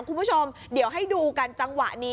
คุณผู้ชมเดี๋ยวให้ดูกันจังหวะนี้